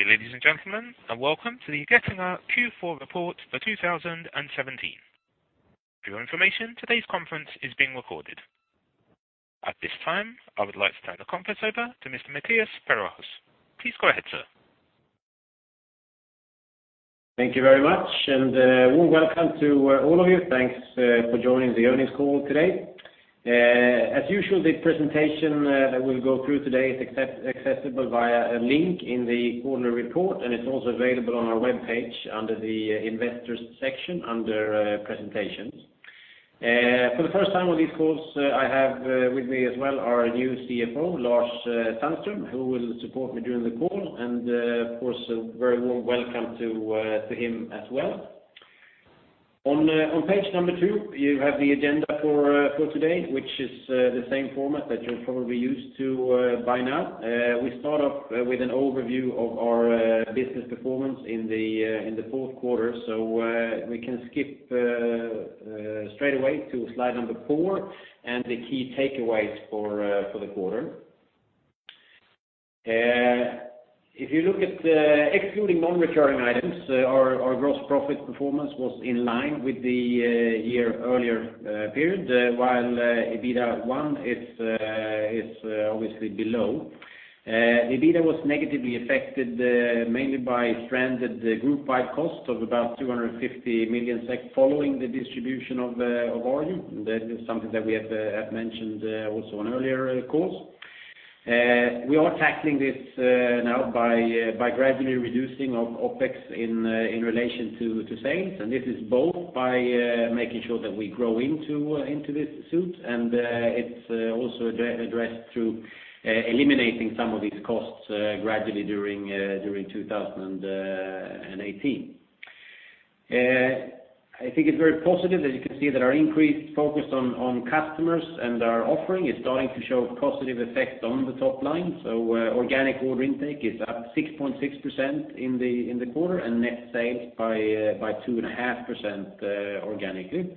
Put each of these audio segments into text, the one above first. Good day, ladies and gentlemen, and welcome to the Getinge Q4 report for 2017. For your information, today's conference is being recorded. At this time, I would like to turn the conference over to Mr. Mattias Perjos. Please go ahead, sir. Thank you very much, and warm welcome to all of you. Thanks for joining the earnings call today. As usual, the presentation that we'll go through today is accessible via a link in the quarterly report, and it's also available on our webpage under the investors section, under presentations. For the first time on these calls, I have with me as well our new CFO, Lars Sandström, who will support me during the call, and of course, a very warm welcome to him as well. On page number two, you have the agenda for today, which is the same format that you're probably used to by now. We start off with an overview of our business performance in the Q4. We can skip straight away to slide number four and the key takeaways for the quarter. If you look at the, excluding non-recurring items, our gross profit performance was in line with the year-earlier period, while EBITDA 1 is obviously below. EBITDA was negatively affected mainly by stranded group by cost of about 250 million SEK, following the distribution of Arjo. That is something that we have mentioned also on earlier calls. We are tackling this now by gradually reducing our OpEx in relation to sales, and this is both by making sure that we grow into this suit, and it's also addressed through eliminating some of these costs gradually during 2018. I think it's very positive that you can see that our increased focus on customers and our offering is starting to show positive effect on the top line. So, organic order intake is up 6.6% in the quarter, and net sales by 2.5%, organically.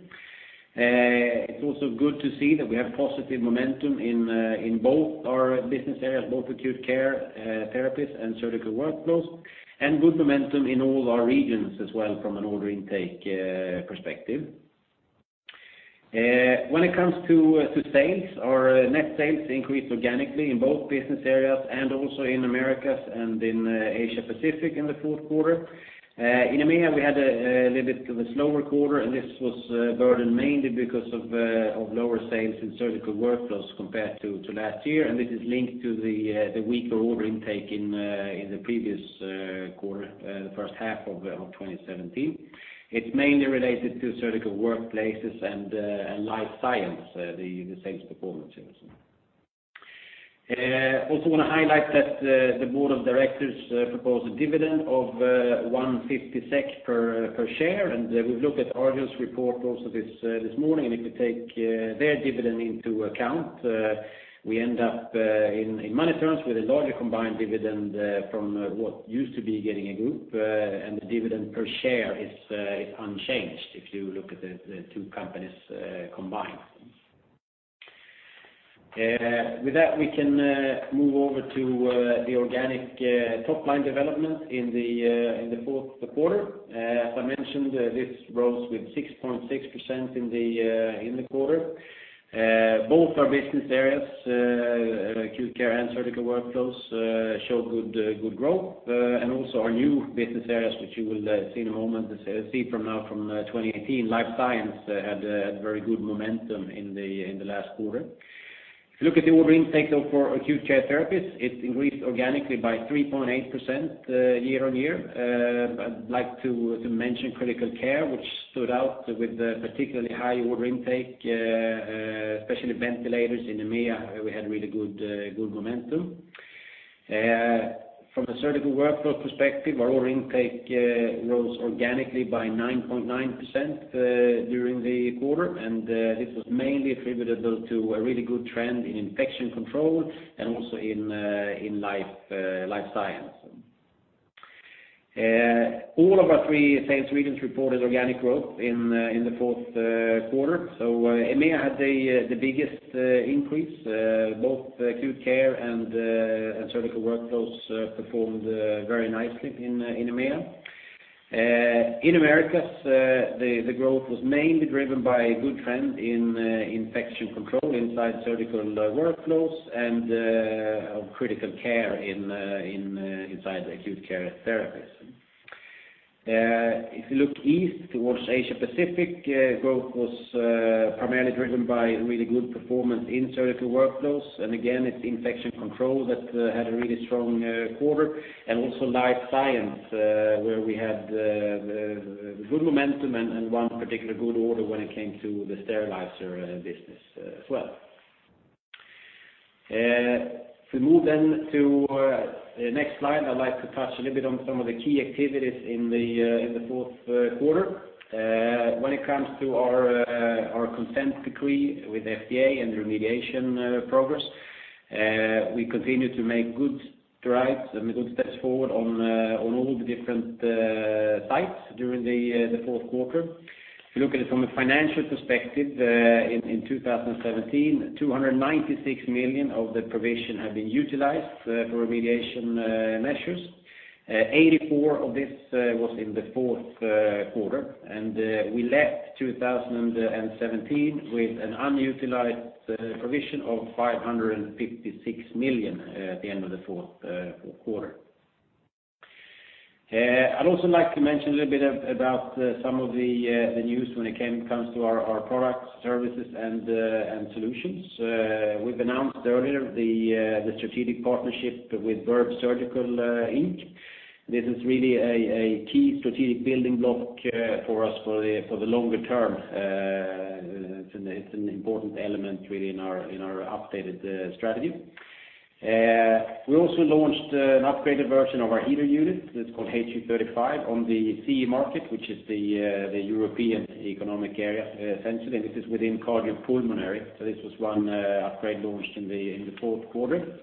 It's also good to see that we have positive momentum in both our business areas, both Acute Care Therapies and Surgical Workflows, and good momentum in all our regions as well from an order intake perspective. When it comes to sales, our net sales increased organically in both business areas and also in Americas and in Asia Pacific in the Q4. In EMEA, we had a little bit of a slower quarter, and this was burdened mainly because of lower sales in Surgical Workflows compared to last year, and this is linked to the weaker order intake in the previous quarter, the H1 of 2017. It's mainly related to Surgical Workplaces and Life Science, the sales performance. Also want to highlight that the board of directors propose a dividend of 150 SEK per share, and we've looked at Arjo's report also this morning, and if we take their dividend into account, we end up in money terms with a larger combined dividend from what used to be Getinge Group, and the dividend per share is unchanged if you look at the two companies combined. With that, we can move over to the organic top-line development in the Q4. As I mentioned, this rose with 6.6% in the quarter. Both our business areas, Acute Care and Surgical Workflows, show good, good growth, and also our new business areas, which you will see in a moment, see from now from 2018. Life Science had a very good momentum in the last quarter. If you look at the order intake, though, for Acute Care Therapies, it increased organically by 3.8% year-on-year. I'd like to mention Critical Care, which stood out with a particularly high order intake, especially ventilators in EMEA, we had really good, good momentum. From a Surgical Workflows perspective, our order intake rose organically by 9.9% during the quarter, and this was mainly attributable to a really good trend in Infection Control and also in Life Science. All of our three sales regions reported organic growth in the Q4. So, EMEA had the biggest increase, both acute care and Surgical Workflows performed very nicely in EMEA. In Americas, the growth was mainly driven by a good trend in Infection Control inside Surgical Workflows and of critical care in inside Acute Care Therapies. If you look east towards Asia Pacific, growth was primarily driven by really good performance in Surgical Workflows. And again, it's Infection Control that had a really strong quarter, and also Life Science, where we had good momentum and one particular good order when it came to the sterilizer business as well. If we move then to the next slide, I'd like to touch a little bit on some of the key activities in the Q4. When it comes to our consent decree with FDA and remediation progress, we continue to make good strides and good steps forward on our different sites during the Q4. If you look at it from a financial perspective, in 2017, 296 million of the provision have been utilized for remediation measures. 84 of this was in the Q4, and we left 2017 with an unutilized provision of 556 million at the end of the Q4. I'd also like to mention a little bit about some of the news when it comes to our products, services, and solutions. We've announced earlier the strategic partnership with Verb Surgical Inc. This is really a key strategic building block for us for the longer term. It's an important element really in our updated strategy. We also launched an upgraded version of our heater unit that's called HU 35 on the CE market, which is the European Economic Area, essentially, and this is within Cardiopulmonary. So this was one upgrade launched in the Q4.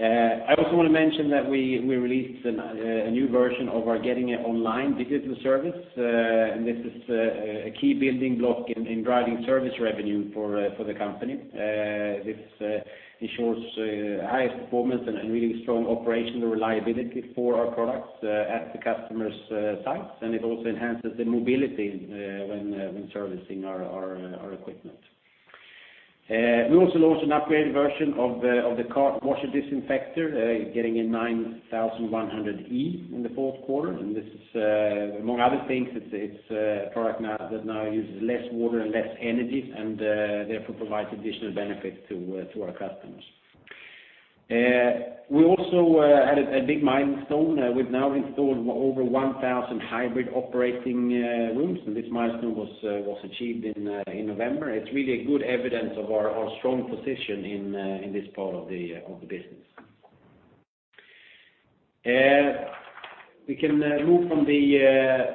I also want to mention that we released a new version of our Getinge Online digital service, and this is a key building block in driving service revenue for the company. This ensures highest performance and really strong operational reliability for our products at the customer's sites, and it also enhances the mobility when servicing our equipment. We also launched an upgraded version of the cart washer disinfector, Getinge 9100E in the Q4, and this is, among other things, it's a product now that now uses less water and less energy and therefore provides additional benefits to our customers. We also had a big milestone. We've now installed over 1,000 hybrid operating rooms, and this milestone was achieved in November. It's really a good evidence of our strong position in this part of the business. We can move from the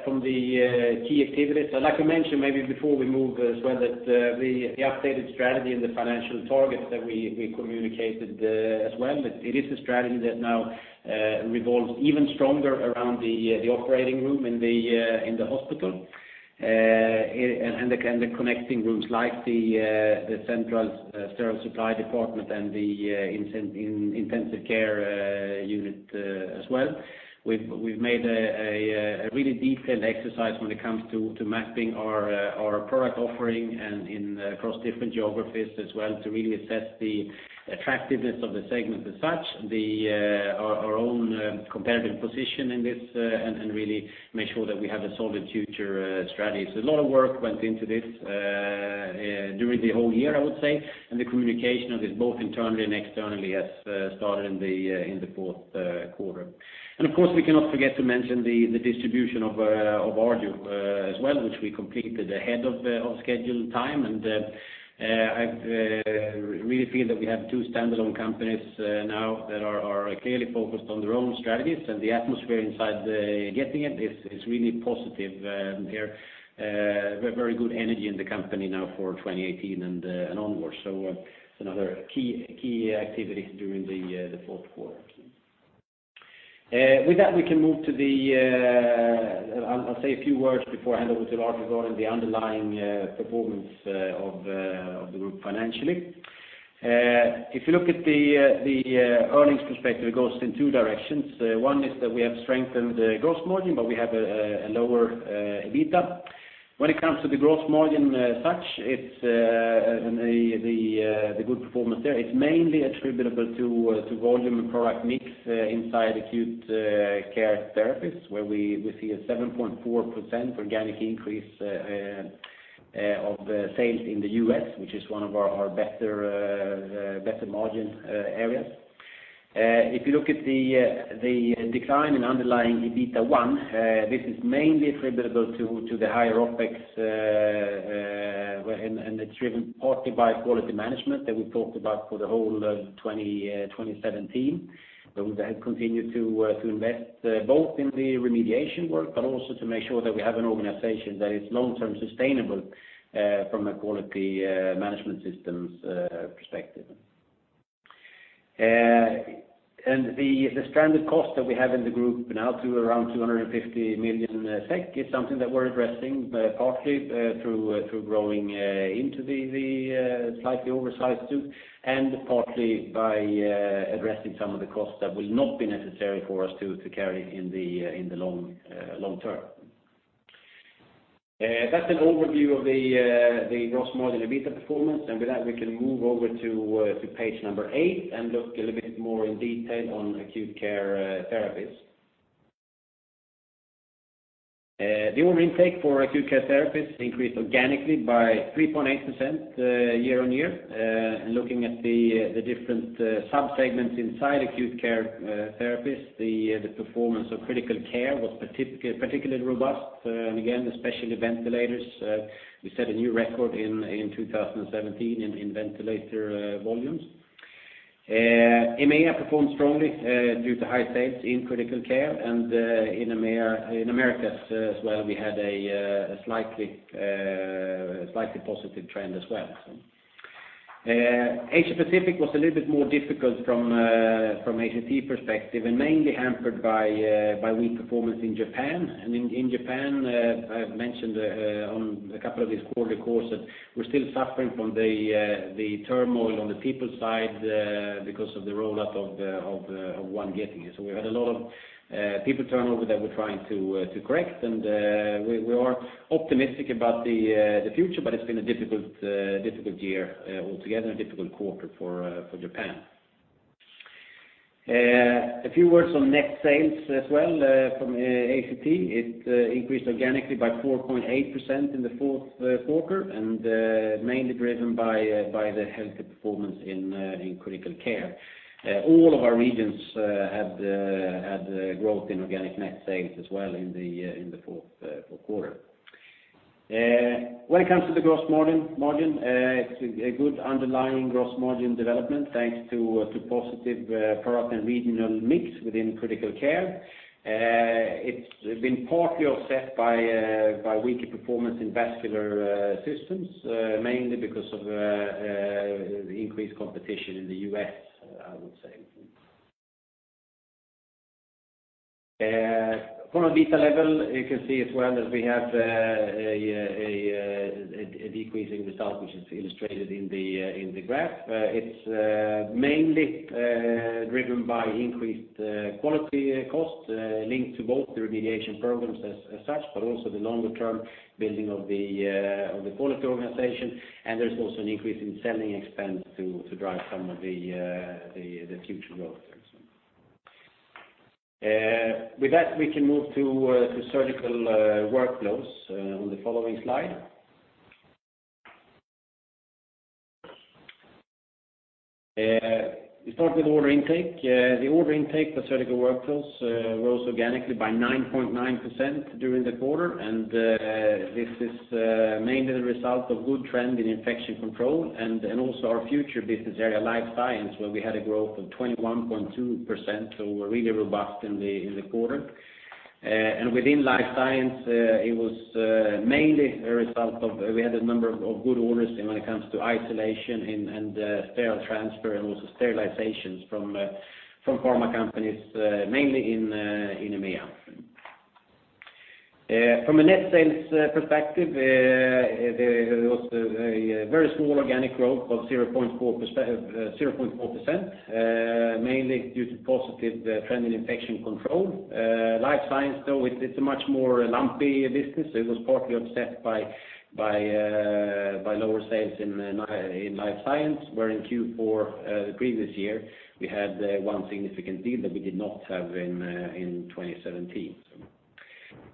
key activities. I'd like to mention maybe before we move as well that the updated strategy and the financial targets that we communicated as well, it is a strategy that now revolves even stronger around the operating room in the hospital, and the connecting rooms, like the Central Sterile Supply Department and the Intensive Care Unit as well. We've made a really detailed exercise when it comes to mapping our product offering and across different geographies as well, to really assess the attractiveness of the segment as such, our own competitive position in this, and really make sure that we have a solid future strategy. So a lot of work went into this during the whole year, I would say, and the communication of this, both internally and externally, has started in the Q4. And of course, we cannot forget to mention the distribution of Arjo as well, which we completed ahead of scheduled time. I really feel that we have two standalone companies now that are clearly focused on their own strategies, and the atmosphere inside the Getinge is really positive here. Very good energy in the company now for 2018 and onwards, so it's another key activity during the Q4. With that, we can move to. I'll say a few words before I hand over to Lars Sandström, the underlying performance of the group financially. If you look at the earnings perspective, it goes in two directions. One is that we have strengthened the gross margin, but we have a lower EBITDA. When it comes to the gross margin as such and the good performance there, it's mainly attributable to volume and product mix inside Acute Care Therapies, where we see a 7.4% organic increase of sales in theUS, which is one of our better margin areas. If you look at the decline in underlying EBITDA one, this is mainly attributable to the higher OpEx, and it's driven partly by quality management that we talked about for the whole of 2017. We have continued to invest both in the remediation work, but also to make sure that we have an organization that is long-term sustainable from a quality management systems perspective. And the standard cost that we have in the group now to around 250 million SEK is something that we're addressing partly through growing into the slightly oversized suit and partly by addressing some of the costs that will not be necessary for us to carry in the long term. That's an overview of the gross margin EBITDA performance, and with that, we can move over to page number eight and look a little bit more in detail on Acute Care Therapies. The order intake for Acute Care Therapies increased organically by 3.8% year-on-year. Looking at the different sub-segments inside Acute Care Therapies, the performance of critical care was particularly robust, and again, especially the ventilators. We set a new record in 2017 in ventilator volumes. EMEA performed strongly due to high sales in critical care, and in Americas as well, we had a slightly positive trend as well, so. Asia Pacific was a little bit more difficult from ACT perspective, and mainly hampered by weak performance in Japan. And in Japan, I have mentioned on a couple of these quarter calls that we're still suffering from the turmoil on the people side because of the rollout of One Getinge. So we had a lot of people turnover that we're trying to correct, and we are optimistic about the future, but it's been a difficult year altogether, a difficult quarter for Japan. A few words on net sales as well from ACT. It increased organically by 4.8% in the Q4, and mainly driven by the healthy performance in critical care. All of our regions had growth in organic net sales as well in the Q4. When it comes to the gross margin, a good underlying gross margin development, thanks to positive product and regional mix within critical care. It's been partly offset by by weaker performance in Vascular Systems, mainly because of the increased competition in the US, I would say. From a EBITDA level, you can see as well that we have a decreasing result, which is illustrated in the graph. It's mainly driven by increased quality costs linked to both the remediation programs as such, but also the longer-term building of the quality organization. And there's also an increase in selling expense to drive some of the future growth. With that, we can move to Surgical Workflows on the following slide. We start with order intake. The order intake for Surgical Workflows rose organically by 9.9% during the quarter, and this is mainly the result of good trend in Infection Control and also our future business area, Life Science, where we had a growth of 21.2%, so we're really robust in the quarter. And within Life Science, it was mainly a result of we had a number of good orders when it comes to isolation and sterile transfer and also sterilizations from pharma companies, mainly in EMEA. From a net sales perspective, there was a very small organic growth of 0.4%, mainly due to positive trend in Infection Control. Life Science, though, it's a much more lumpy business. It was partly offset by lower sales in Life Science, where in Q4 the previous year, we had one significant deal that we did not have in 2017.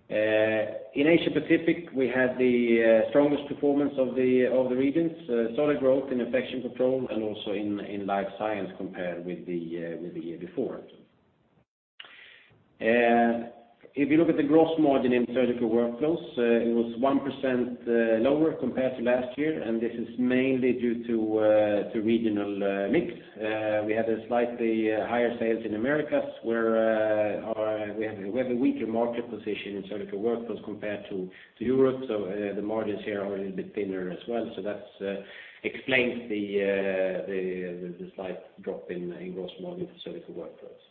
In Asia Pacific, we had the strongest performance of the regions, solid growth in Infection Control and also in Life Science compared with the year before. If you look at the gross margin in Surgical Workflows, it was 1% lower compared to last year, and this is mainly due to regional mix. We had a slightly higher sales in Americas, where we have a weaker market position in Surgical Workflows compared to Europe, so the margins here are a little bit thinner as well. So that's explains the slight drop in gross margin for Surgical Workflows.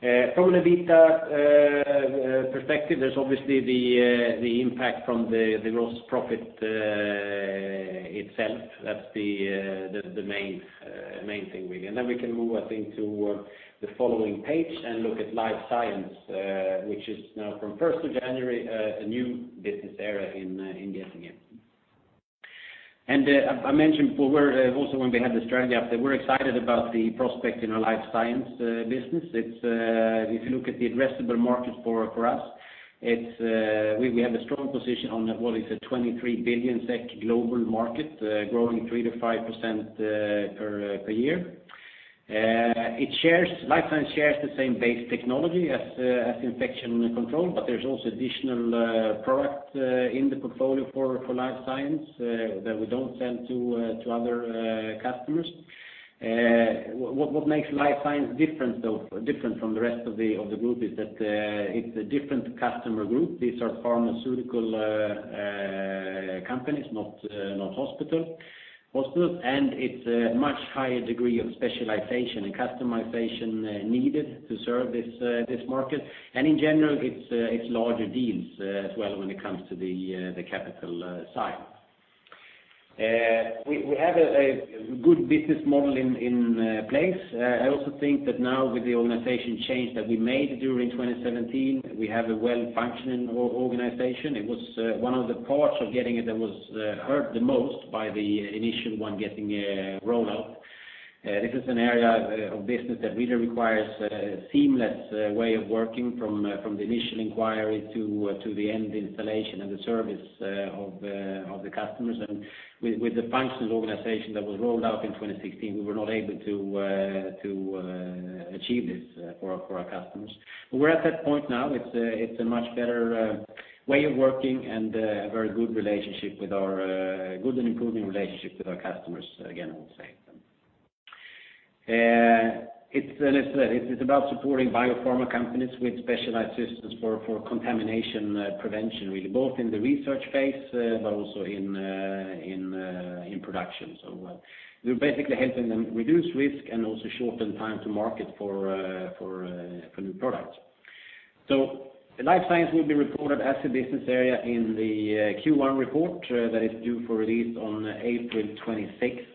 From an EBITDA perspective, there's obviously the impact from the gross profit itself. That's the main thing we, and then we can move, I think, to the following page and look at Life Science, which is now from first of January a new business area in Getinge. And I mentioned before also when we had the strategy update, that we're excited about the prospect in our Life Science business. It's if you look at the addressable market for us, it's we have a strong position on what is a 23 billion SEK global market, growing 3%-5% per year. Life Science shares the same base technology as Infection Control, but there's also additional product in the portfolio for Life Science that we don't sell to other customers. What makes Life Science different, though, different from the rest of the group, is that it's a different customer group. These are pharmaceutical companies, not hospitals, and it's a much higher degree of specialization and customization needed to serve this market. In general, it's larger deals, as well, when it comes to the capital side. We have a good business model in place. I also think that now with the organization change that we made during 2017, we have a well-functioning organization. It was one of the parts of Getinge that was hurt the most by the initial One Getinge rollout. This is an area of business that really requires a seamless way of working from the initial inquiry to the end installation and the service of the customers. And with the functions organization that was rolled out in 2016, we were not able to achieve this for our customers. We're at that point now. It's a much better way of working and a very good relationship with our good and improving relationship with our customers again. It's, as I said, it's about supporting biopharma companies with specialized systems for contamination prevention, really, both in the research phase, but also in production. So we're basically helping them reduce risk and also shorten time to market for new products. So the Life Science will be reported as a business area in the Q1 report that is due for release on April 26th.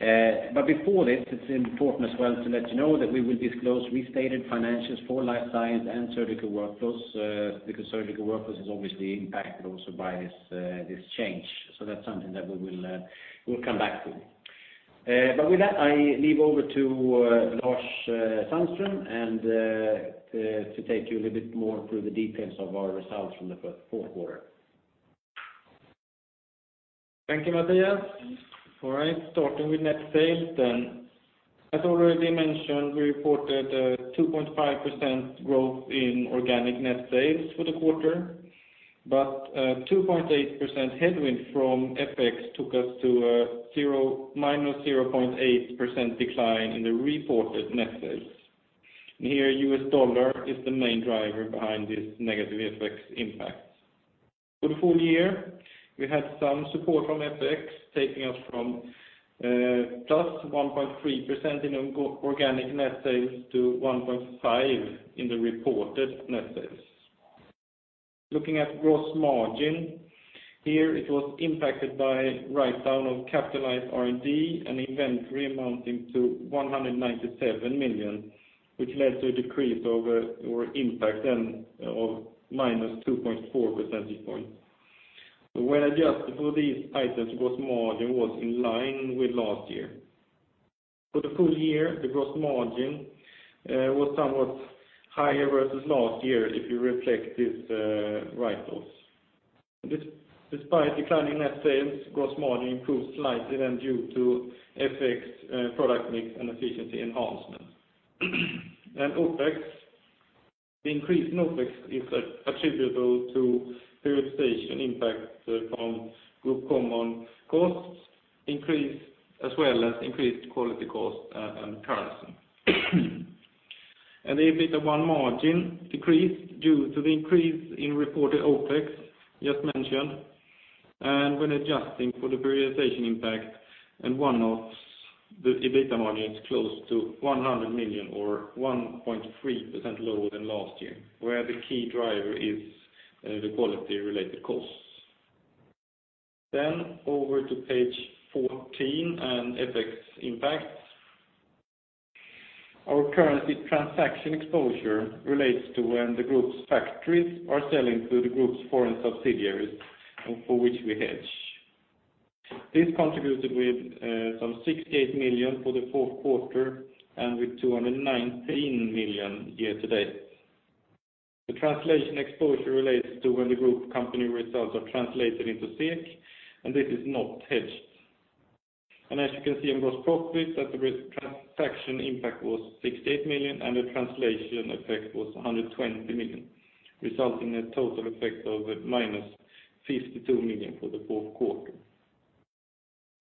But before this, it's important as well to let you know that we will disclose restated financials for Life Science and Surgical Workflows because Surgical Workflows is obviously impacted also by this change. That's something that we will, we'll come back to. With that, I leave over to Lars Sandström, and to take you a little bit more through the details of our results from the Q4. Thank you, Mattias. All right, starting with net sales then. As already mentioned, we reported a 2.5% growth in organic net sales for the quarter, but, 2.8% headwind from FX took us to, zero, -0.8% decline in the reported net sales. And here, US dollar is the main driver behind this negative FX impact. For the full year, we had some support from FX, taking us from, +1.3% in organic net sales to 1.5% in the reported net sales. Looking at gross margin, here, it was impacted by write-down of capitalized R&D and inventory amounting to 197 million, which led to a decrease over, or impact then, of -2.4 percentage point. When adjusted for these items, gross margin was in line with last year. For the full year, the gross margin was somewhat higher versus last year, if you reflect this write-offs. Despite declining net sales, gross margin improved slightly than due to FX, product mix and efficiency enhancement. OpEx, the increase in OpEx is attributable to periodization impact from group common costs increase, as well as increased quality costs and currency. The EBITDA margin decreased due to the increase in reported OpEx, just mentioned, and when adjusting for the periodization impact and one-offs, the EBITDA margin is close to 100 million or 1.3% lower than last year, where the key driver is the quality-related costs. Then over to page 14 and FX impacts. Our currency transaction exposure relates to when the group's factories are selling to the group's foreign subsidiaries, and for which we hedge. This contributed with some 68 million for the Q4 and with 219 million year to date. The translation exposure relates to when the group company results are translated into SEK, and this is not hedged. And as you can see in gross profit, that the transaction impact was 68 million, and the translation effect was 120 million, resulting in a total effect of -52 million for the Q4.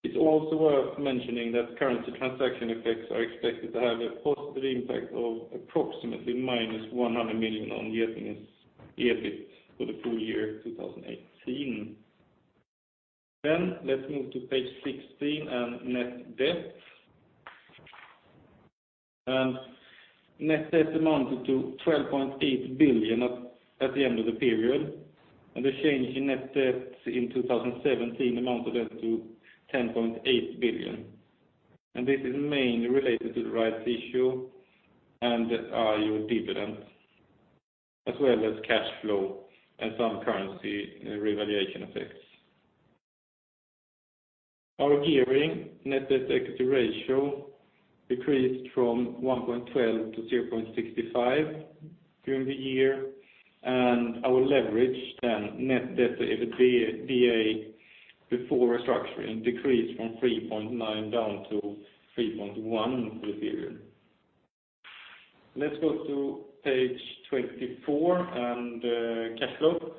It's also worth mentioning that currency transaction effects are expected to have a positive impact of approximately -100 million on Getinge's EBIT for the full year 2018. Then let's move to page 16 and net debt. Net debt amounted to 12.8 billion at, at the end of the period, and the change in net debt in 2017 amounted up to 10.8 billion. This is mainly related to the rights issue and, your dividend, as well as cash flow and some currency revaluation effects. Our gearing net debt equity ratio decreased from 1.12 to 0.65 during the year, and our leverage then, net debt to EBITDA before restructuring, decreased from 3.9 down to 3.1 for the period. Let's go to page 24 and, cash flow.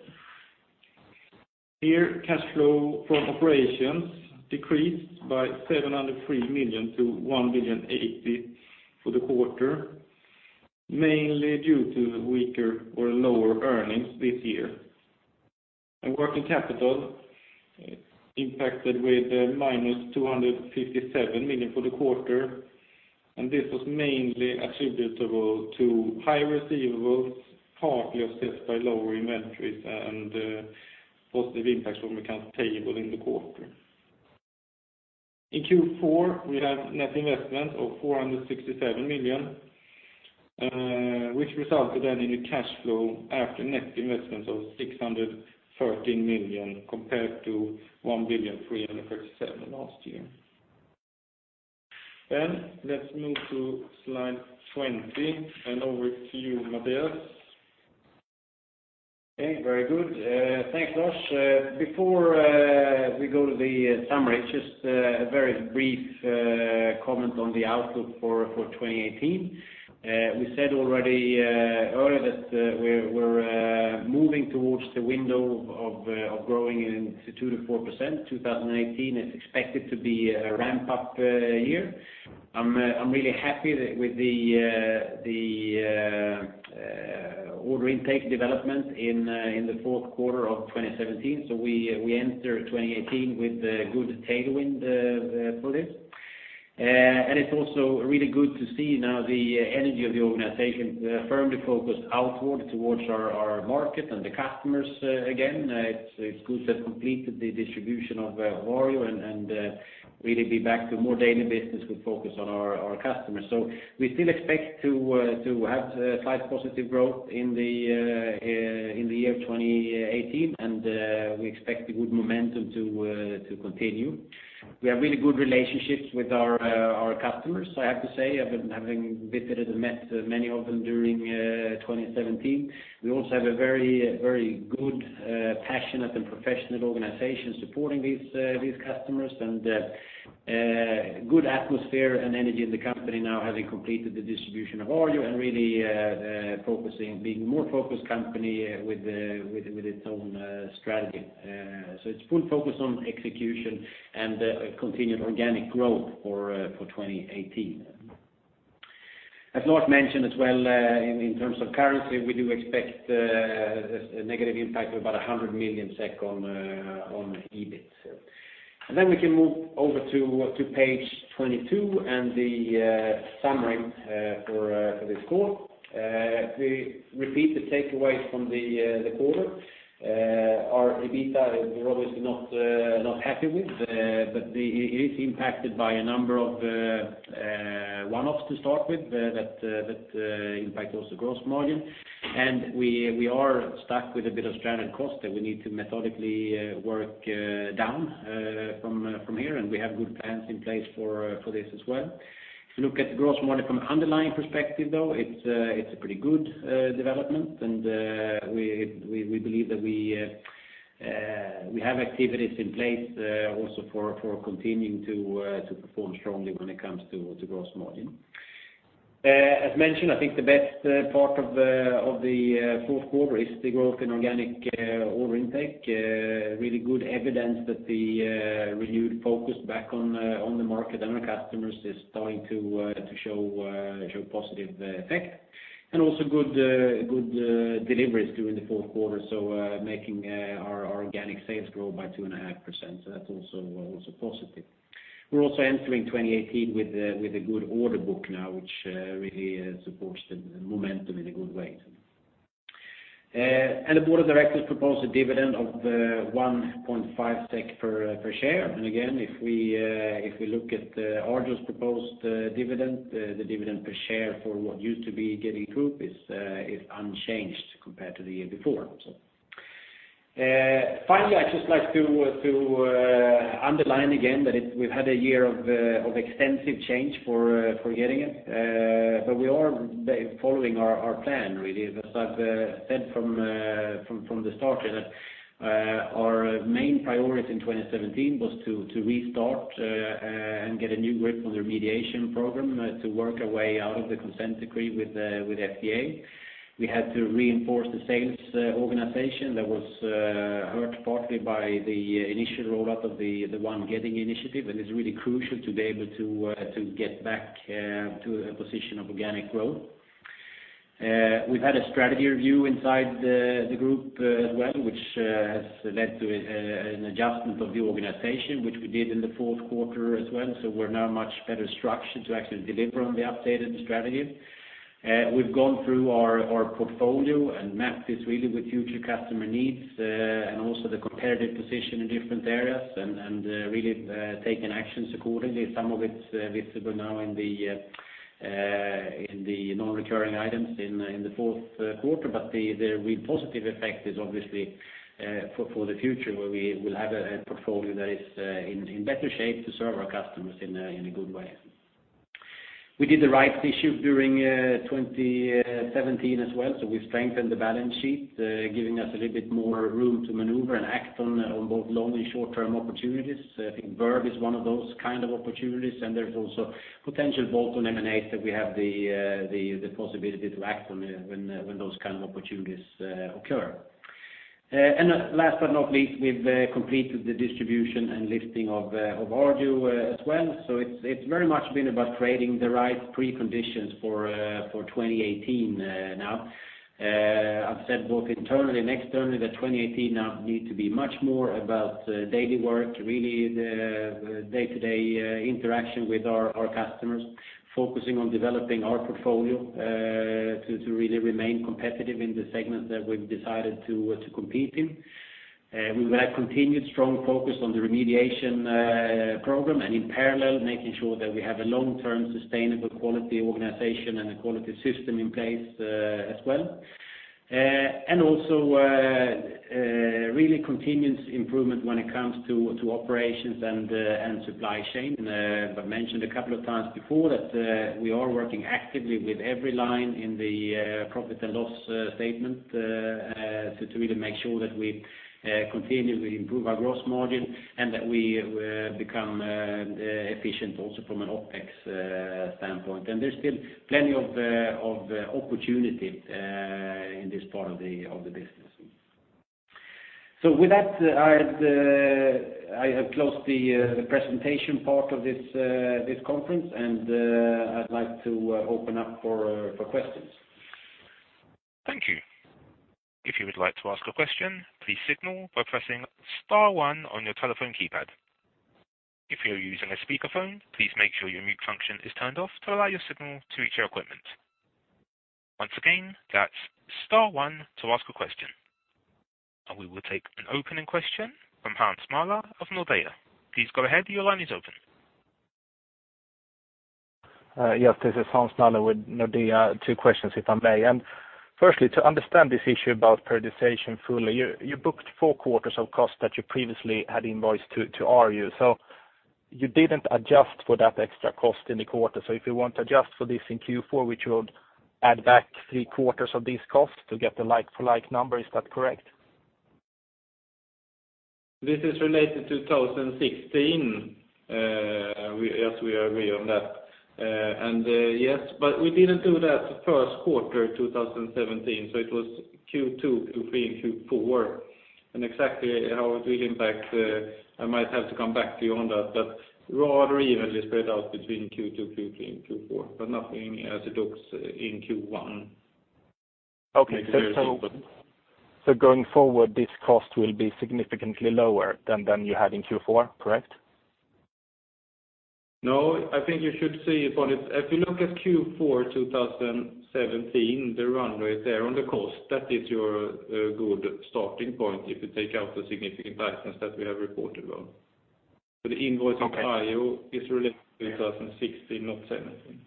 Here, cash flow from operations decreased by 703 million to 1.08 billion for the quarter, mainly due to weaker or lower earnings this year. Working capital impacted with -257 million for the quarter, and this was mainly attributable to high receivables, partly offset by lower inventories and positive impacts from accounts payable in the quarter. In Q4, we had net investment of 467 million, which resulted then in a cash flow after net investments of 613 million, compared to 1,337 million last year. Then let's move to slide 20, and over to you, Mattias. Okay, very good. Thanks, Lars. Before we go to the summary, just a very brief comment on the outlook for 2018. We said already earlier that we're moving towards the window of growing into 2%-4%. 2018 is expected to be a ramp-up year. I'm really happy with the order intake development in the Q4 of 2017. So we enter 2018 with a good tailwind for this. And it's also really good to see now the energy of the organization firmly focused outward towards our market and the customers again. It's good to have completed the distribution of Arjo, and really be back to more daily business with focus on our customers. So we still expect to have slight positive growth in the year 2018, and we expect a good momentum to continue. We have really good relationships with our customers, I have to say, having visited and met many of them during 2017. We also have a very, very good passionate and professional organization supporting these customers, and good atmosphere and energy in the company now, having completed the distribution of Arjo, and really focusing, being more focused company with its own strategy. So it's full focus on execution and continued organic growth for 2018. As Lars mentioned as well, in terms of currency, we do expect a negative impact of about 100 million SEK on EBIT. And then we can move over to page 22 and the summary for this call. To repeat the takeaways from the quarter, our EBITDA, we're obviously not happy with, but it is impacted by a number of one-offs to start with, that impact also gross margin. And we are stuck with a bit of stranded cost that we need to methodically work down from here, and we have good plans in place for this as well. If you look at the gross margin from an underlying perspective, though, it's a pretty good development, and we believe that we have activities in place, also for continuing to perform strongly when it comes to gross margin. As mentioned, I think the best part of the Q4 is the growth in organic order intake. Really good evidence that the renewed focus back on the market and our customers is starting to show positive effect. And also good deliveries during the Q4, so making our organic sales grow by 2.5%, so that's also positive. We're also entering 2018 with a good order book now, which really supports the momentum in a good way. And the board of directors propose a dividend of 1.5 SEK per share. And again, if we look at Arjo's proposed dividend, the dividend per share for what used to be Getinge Group is unchanged compared to the year before, so. Finally, I'd just like to underline again that it, we've had a year of extensive change for Getinge, but we are following our plan, really. As I've said from the start, that our main priority in 2017 was to restart and get a new grip on the remediation program, to work our way out of the consent decree with FDA. We had to reinforce the sales organization that was hurt partly by the initial rollout of the One Getinge initiative, and it's really crucial to be able to get back to a position of organic growth. We've had a strategy review inside the group as well, which has led to an adjustment of the organization, which we did in the Q4 as well, so we're now much better structured to actually deliver on the updated strategy. We've gone through our portfolio and mapped this really with future customer needs, and also the competitive position in different areas, and really taken actions accordingly. Some of it's visible now in the non-recurring items in the Q4, but the real positive effect is obviously for the future, where we will have a portfolio that is in better shape to serve our customers in a good way. We did the rights issue during 2017 as well, so we've strengthened the balance sheet, giving us a little bit more room to maneuver and act on both long- and short-term opportunities. I think Verb is one of those kind of opportunities, and there's also potential bolt-on M&A that we have the, the, the possibility to act on when, when those kind of opportunities, occur. And last but not least, we've completed the distribution and listing of, of Arjo, as well. So it's, it's very much been about creating the right preconditions for, for 2018, now. I've said both internally and externally that 2018 now need to be much more about, daily work, really the, the day-to-day, interaction with our, our customers, focusing on developing our portfolio, to, to really remain competitive in the segment that we've decided to, to compete in. We will have continued strong focus on the remediation program, and in parallel, making sure that we have a long-term, sustainable quality organization and a quality system in place, as well. And also, really continuous improvement when it comes to operations and supply chain. I've mentioned a couple of times before that we are working actively with every line in the profit and loss statement, so to really make sure that we continually improve our gross margin and that we become efficient also from an OpEx standpoint. And there's still plenty of opportunity in this part of the business. So with that, I have closed the presentation part of this conference, and I'd like to open up for questions. Thank you. If you would like to ask a question, please signal by pressing star one on your telephone keypad. If you're using a speakerphone, please make sure your mute function is turned off to allow your signal to reach our equipment. Once again, that's star one to ask a question, and we will take an opening question from Hans Mähler of Nordea. Please go ahead, your line is open. Yes, this is Hans Mähler with Nordea. Two questions, if I may. Firstly, to understand this issue about prioritization fully, you, you booked four quarters of cost that you previously had invoiced to, to Arjo. So you didn't adjust for that extra cost in the quarter. So if you want to adjust for this in Q4, which would add back three quarters of these costs to get the like-for-like number, is that correct? This is related to 2016, yes, we agree on that. Yes, but we didn't do that Q1 2017, so it was Q2, Q3, and Q4. And exactly how it will impact, I might have to come back to you on that, but rather evenly spread out between Q2, Q3, and Q4, but nothing as it looks in Q1. Okay, so going forward, this cost will be significantly lower than you had in Q4, correct? No, I think you should see it on it. If you look at Q4 2017, the runway is there on the cost. That is your good starting point if you take out the significant items that we have reported on. Okay. The invoice in IO is related to 2016, not 2017.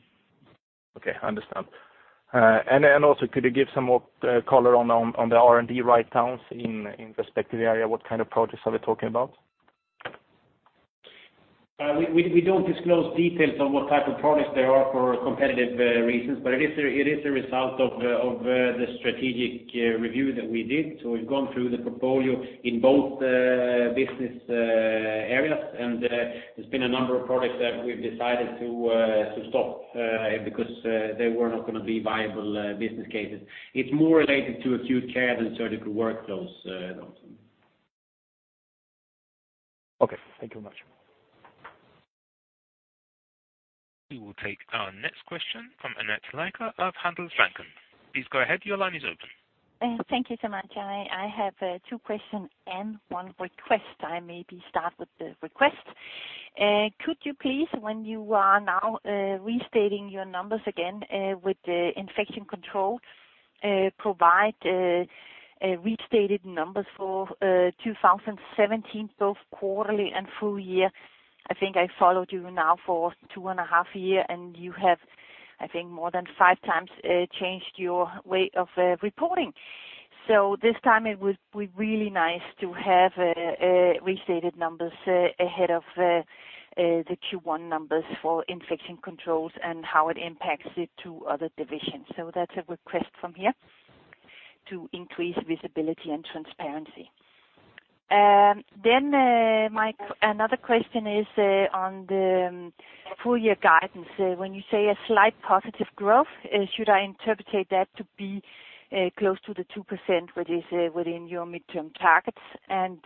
Okay, I understand. And then, also, could you give some more color on the R&D write-downs in respect to the area? What kind of projects are we talking about? We don't disclose details on what type of products there are for competitive reasons, but it is a result of the strategic review that we did. So we've gone through the portfolio in both business areas, and there's been a number of products that we've decided to stop because they were not going to be viable business cases. It's more related to Acute Care than Surgical Workflows, those. Okay, thank you much. We will take our next question from Annette Lykke of Handelsbanken. Please go ahead, your line is open. Thank you so much. I have two question and one request. I maybe start with the request. Could you please, when you are now restating your numbers again, with the Infection Control, provide a restated numbers for 2017, both quarterly and full year? I think I followed you now for two and a half year, and you have, I think, more than five times, changed your way of reporting. So this time it would be really nice to have restated numbers ahead of the Q1 numbers for Infection Control and how it impacts it to other divisions. So that's a request from here to increase visibility and transparency. Then, my another question is on the full year guidance. When you say a slight positive growth, should I interpret that to be close to the 2%, which is within your mid-term targets? And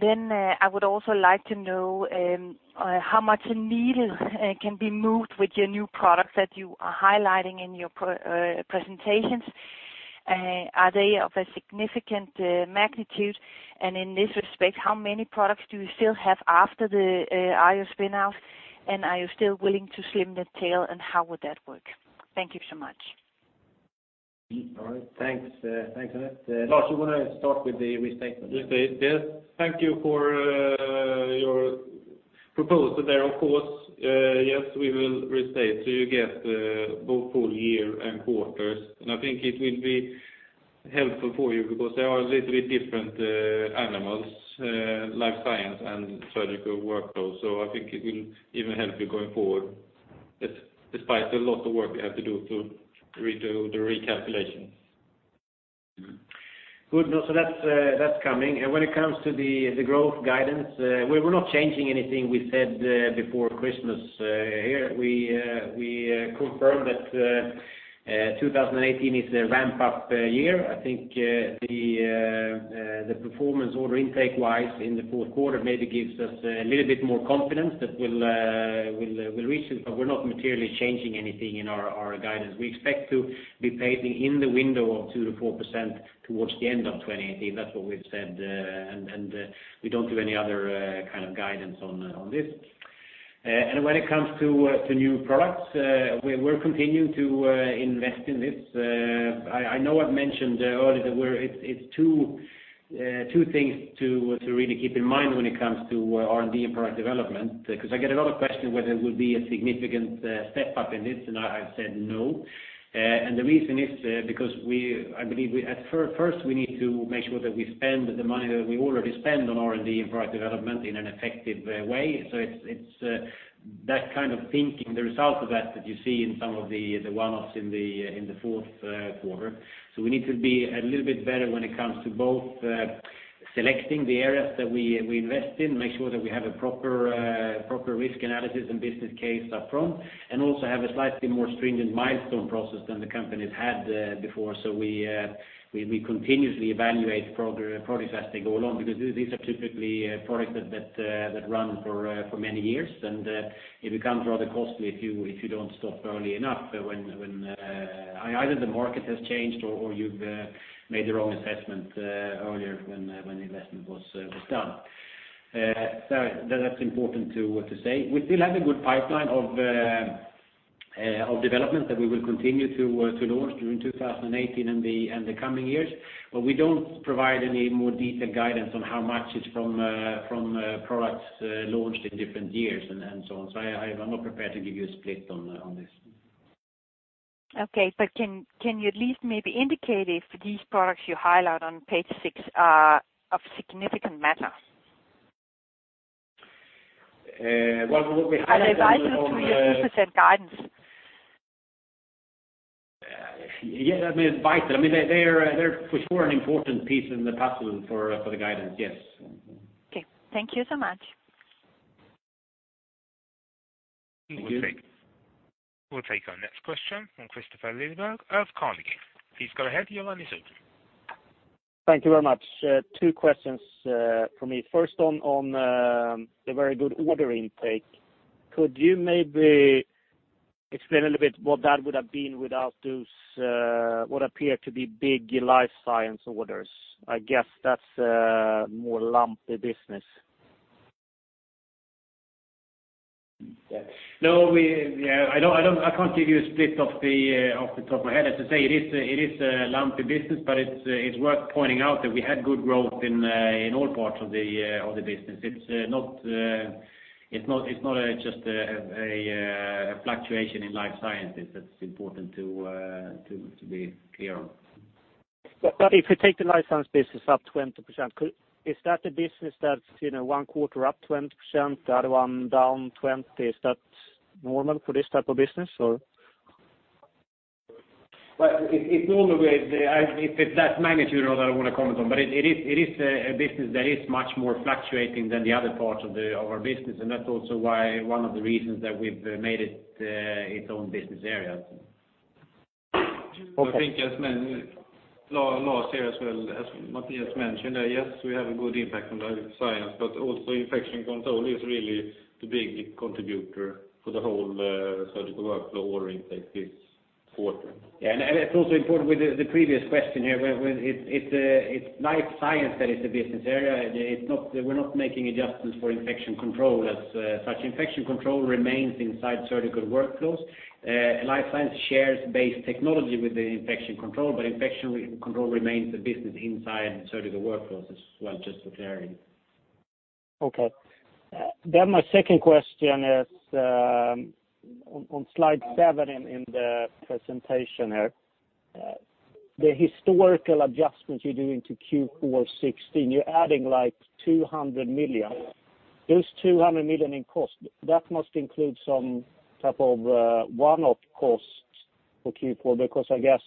then I would also like to know how much a needle can be moved with your new products that you are highlighting in your pre-presentations. Are they of a significant magnitude? And in this respect, how many products do you still have after the Arjo spin out, and are you still willing to slim the tail, and how would that work? Thank you so much. All right. Thanks, thanks, Annette. Lars, you want to start with the restatement? Yes. Thank you for your proposal there. Of course, yes, we will restate so you get both full year and quarters. And I think it will be helpful for you because they are a little bit different animals, Life Science and Surgical Workflows. So I think it will even help you going forward, despite a lot of work you have to do to redo the recalculations. Good. No, so that's coming. And when it comes to the growth guidance, we're not changing anything we said before Christmas here. We confirm that 2018 is a ramp-up year. I think the performance order intake-wise in the Q4 maybe gives us a little bit more confidence that we'll reach it, but we're not materially changing anything in our guidance. We expect to be pacing in the window of 2%-4% towards the end of 2018. That's what we've said, and we don't do any other kind of guidance on this. And when it comes to new products, we're continuing to invest in this. I know I've mentioned earlier that it's two things to really keep in mind when it comes to R&D and product development. Because I get a lot of questions whether it will be a significant step-up in this, and I've said no. And the reason is because I believe first, we need to make sure that we spend the money that we already spend on R&D and product development in an effective way. So it's, that kind of thinking, the result of that, that you see in some of the one-offs in the Q4. So we need to be a little bit better when it comes to both selecting the areas that we invest in, make sure that we have a proper risk analysis and business case upfront, and also have a slightly more stringent milestone process than the company's had before. So we continuously evaluate projects as they go along, because these are typically projects that run for many years. And it becomes rather costly if you don't stop early enough, when either the market has changed or you've made the wrong assessment earlier when the investment was done. So that's important to say. We still have a good pipeline of development that we will continue to launch during 2018 and the coming years. But we don't provide any more detailed guidance on how much is from products launched in different years and so on. So I, I'm not prepared to give you a split on this. Okay. But can you at least maybe indicate if these products you highlight on page six are of significant matter? Well, what we highlight on the. Are they vital to your 2% guidance? Yeah, I mean, vital. I mean, they're for sure an important piece in the puzzle for, for the guidance, yes. Okay. Thank you so much. Thank you. We'll take, we'll take our next question from Kristofer Liljeberg of Carnegie. Please go ahead, your line is open. Thank you very much. Two questions from me. First, on the very good order intake. Could you maybe explain a little bit what that would have been without those what appear to be big Life Science orders? I guess that's more lumpy business. No. Yeah, I don't, I can't give you a split off the top of my head. As I say, it is a lumpy business, but it's worth pointing out that we had good growth in all parts of the business. It's not just a fluctuation in life sciences. That's important to be clear on. But if you take the life science business up 20%, is that a business that's, you know, one quarter up 20%, the other one down 20%? Is that normal for this type of business, or? Well, it's all the way. If it's that magnitude, I don't want to comment on, but it is a business that is much more fluctuating than the other parts of our business, and that's also why one of the reasons that we've made it its own business area. Okay. I think as last year as well, as Mattias mentioned, yes, we have a good impact on the Life Science, but also Infection Control is really the big contributor for the whole, surgical workflow order intake this quarter. Yeah, and it's also important with the previous question here, where it's Life Science that is a business area. It's not. We're not making adjustments for Infection Control as such. Infection Control remains inside Surgical Workflows. Life Science shares base technology with Infection Control, but Infection Control remains the business inside Surgical Workflows as well, just to clarify. Okay. Then my second question is on slide seven in the presentation here. The historical adjustments you're doing to Q4 2016, you're adding, like, 200 million. Those 200 million in cost, that must include some type of one-off costs for Q4, because I guess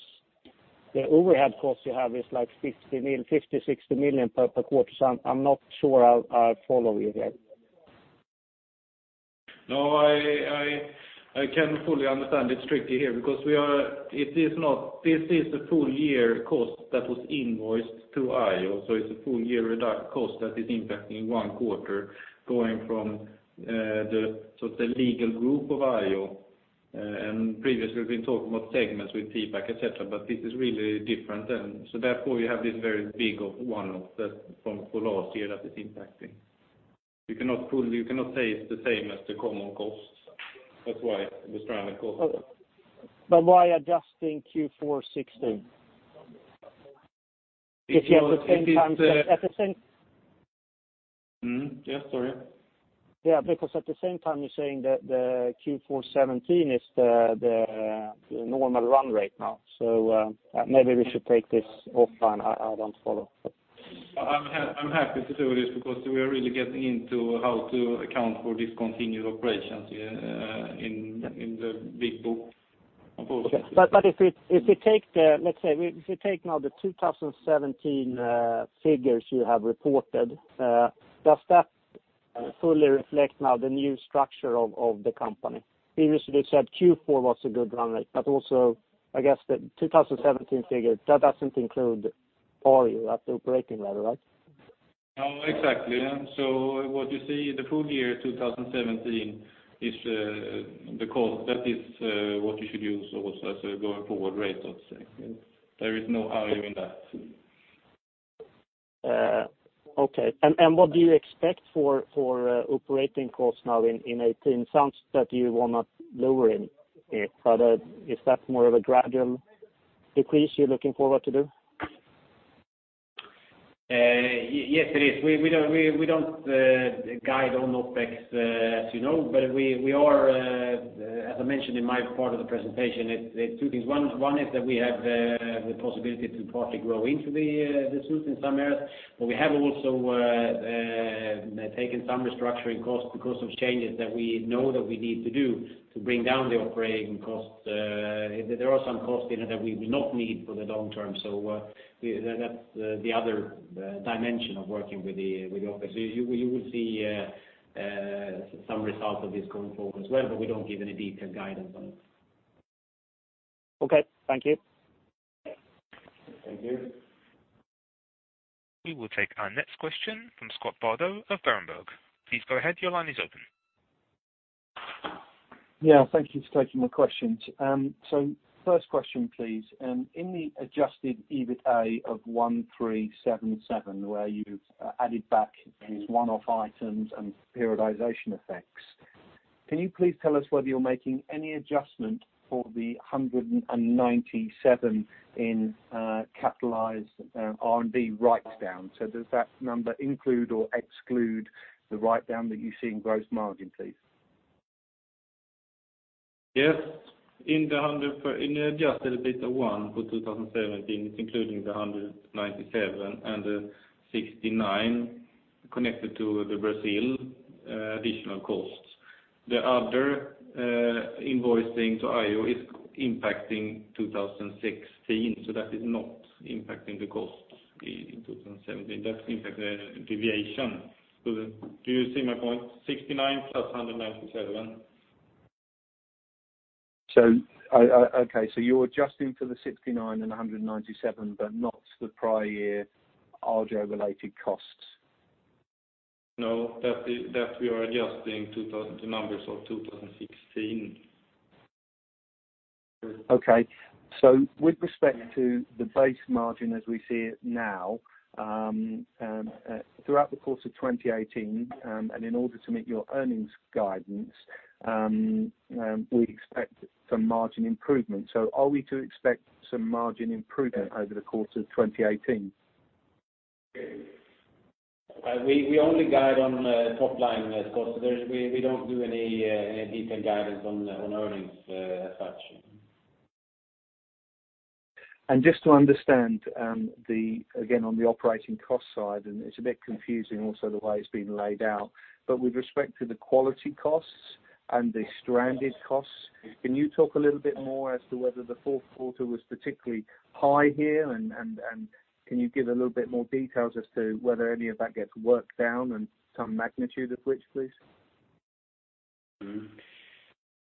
the overhead cost you have is, like, 50 million, 50, 60 million per quarter. So I'm not sure I follow you here. No, I can fully understand it strictly here, because we are, it is not, this is a full year cost that was invoiced to IO, so it's a full year reduction cost that is impacting one quarter, going from the legal group of IO. And previously, we've been talking about segments with feedback, et cetera, but this is really different then. So therefore, we have this very big one-off that from, for last year that is impacting. You cannot fully, you cannot say it's the same as the common costs. That's why it was trying to call it. Why adjusting Q4 2016? Because it is. If you have the same time, at the same. Mm-hmm. Yes, sorry. Yeah, because at the same time, you're saying that the Q4 2017 is the normal run rate now. So, maybe we should take this offline. I don't follow. I'm happy to do this because we are really getting into how to account for discontinued operations, in. Yeah In the big book, of course. Okay. But if we take now the 2017 figures you have reported, does that fully reflect now the new structure of the company? Previously, you said Q4 was a good run rate, but also, I guess the 2017 figures, that doesn't include IO at the operating level, right? No, exactly. So what you see, the full year, 2017, is the cost. That is, what you should use also as a going forward rate, let's say. There is no IO in that. Okay. And what do you expect for operating costs now in 2018? Sounds that you are not lowering it, but is that more of a gradual decrease you're looking forward to do? Yes, it is. We don't guide on OpEx, as you know, but we are, as I mentioned in my part of the presentation, there are two things. One is that we have the possibility to partly grow into the suits in some areas. But we have also taken some restructuring costs because of changes that we know that we need to do to bring down the operating costs. There are some costs in it that we would not need for the long term. So, that's the other dimension of working with the office. You will see some results of this going forward as well, but we don't give any detailed guidance on it. Okay, thank you. Thank you. We will take our next question from Scott Bardo of Berenberg. Please go ahead. Your line is open. Yeah, thank you for taking my questions. So first question, please. In the adjusted EBITDA of 1,377, where you've added back these one-off items and periodization effects, can you please tell us whether you're making any adjustment for the 197 in capitalized R&D write-downs? So does that number include or exclude the write-down that you see in gross margin, please? Yes. In the adjusted EBIT for 2017, it's including the 197 and the 69 connected to the Brazil additional costs. The other invoicing to IO is impacting 2016, so that is not impacting the costs in 2017. That's impact the deviation to the, do you see my point? 69+197. So, okay, so you're adjusting for the 69 and 197, but not the prior year Arjo-related costs? No, that is, that we are adjusting the numbers of 2016. Okay. So with respect to the base margin as we see it now, throughout the course of 2018, and in order to meet your earnings guidance, we expect some margin improvement. So are we to expect some margin improvement over the course of 2018? We, we only guide on top line costs. We, we don't do any, any detailed guidance on, on earnings, as such. Just to understand, again, on the operating cost side, and it's a bit confusing also the way it's been laid out. But with respect to the quality costs and the stranded costs, can you talk a little bit more as to whether the Q4 was particularly high here? And can you give a little bit more details as to whether any of that gets worked down and some magnitude of which, please? Mm-hmm. Yeah, well,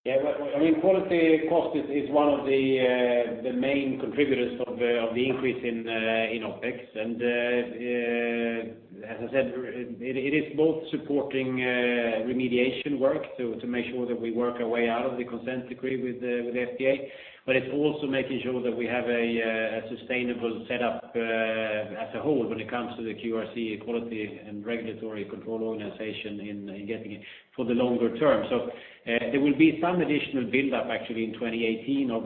I mean, quality cost is one of the main contributors of the increase in OpEx. And as I said, it is both supporting remediation work, to make sure that we work our way out of the consent decree with the FDA. But it's also making sure that we have a sustainable setup as a whole when it comes to the QRC quality and regulatory control organization in Getinge for the longer term. So there will be some additional buildup, actually, in 2018 of